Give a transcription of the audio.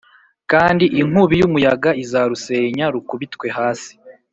kandi inkubi y umuyaga izarusenya rukubitwe hasi